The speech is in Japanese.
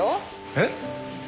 えっ？